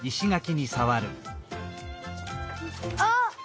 あっ！